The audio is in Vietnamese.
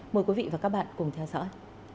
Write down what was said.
mời quý vị và các bạn cùng theo dõi